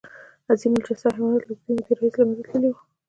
عظیم الجثه حیوانات له اوږدې مودې راهیسې له منځه تللي وو.